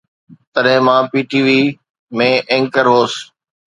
تڏهن مان P T V ۾ anchor هوس.